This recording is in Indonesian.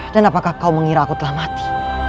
dan apakah kau mengira aku telah mati